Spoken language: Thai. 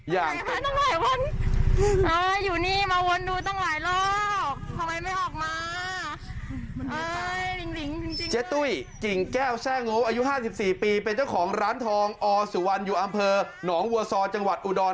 อยู่นี่มาวนดูตั้งหลายรอบ